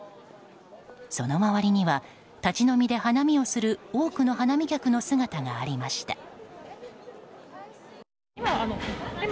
その周りには立ち飲みで花見をする多くの花見客の姿がありました。